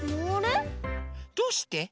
どうして？